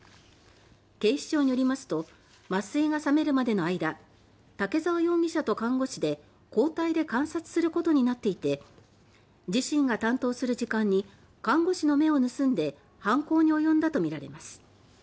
警視庁によりますと麻酔が覚めるまでの間竹澤容疑者と看護師で交代で観察することになっていて自身が担当する時間に看護師の目を盗んで犯行に及んだとみられます。